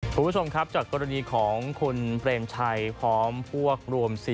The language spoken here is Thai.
คุณผู้ชมครับจากกรณีของคุณเปรมชัยพร้อมพวกรวม๔